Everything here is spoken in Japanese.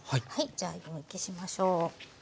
じゃあ湯むきしましょう。